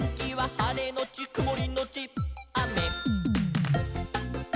「はれのちくもりのちあめ」